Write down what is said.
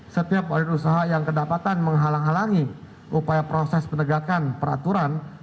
setiap wadud usaha yang kedapatan menghalangi upaya proses penegakan peraturan